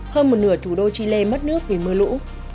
hơn một nửa thủ đô chile mất nước vì mưa lũ